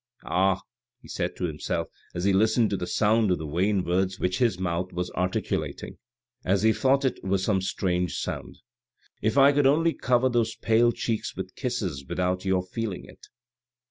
" Ah," he said to himself, as he listened to the sound of the vain words which his mouth was articulating, as he thought it were some strange sound, " if I could only cover those pale cheeks with kisses without your feeling it."